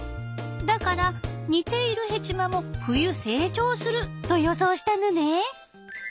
だから似ているヘチマも冬成長すると予想したのね。